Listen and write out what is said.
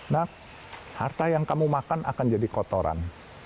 nak harta yang kamu makan akan jadi kotoran